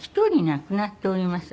亡くなっております